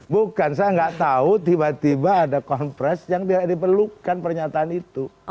bukan saya gak tau tiba tiba ada konfres yang diperlukan pernyataan itu